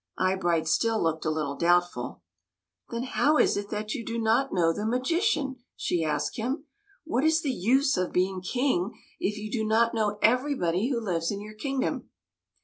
Eyebright still looked a little doubtful. " Then how is it that you do not know the magician ?" she asked him. " What is the use of being King, if you do not know everybody who lives in your kingdom?"